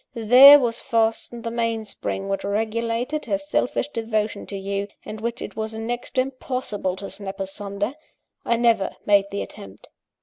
There, was fastened the main spring which regulated her selfish devotion to you, and which it was next to impossible to snap asunder. I never made the attempt.